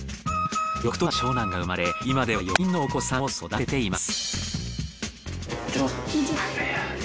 翌年には長男が生まれ今では４人のお子さんを育てています。